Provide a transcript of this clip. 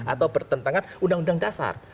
atau bertentangan undang undang dasar